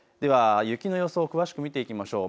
雪の予想を詳しく見ていきます。